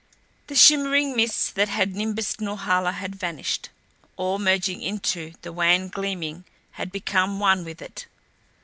The shimmering mists that had nimbused Norhala had vanished or merging into the wan gleaming had become one with it.